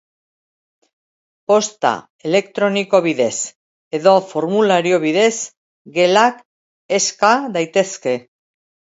Posta elektroniko bidez edo formulario bidez gelak eska daitezke.